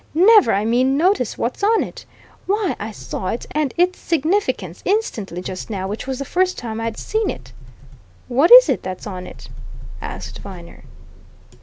Never, I mean, noticed what's on it. Why, I saw it and its significance instantly, just now, which was the first time I'd seen it!" "What is it that's on it?" asked Viner.